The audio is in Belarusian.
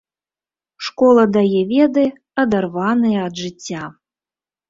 Школа дае веды, адарваныя ад жыцця.